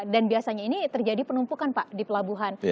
dan biasanya ini terjadi penumpukan pak di pelabuhan